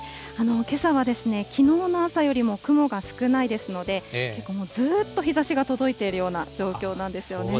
けさは、きのうの朝よりも雲が少ないですので、ずっと日ざしが届いているような状況なんですよね。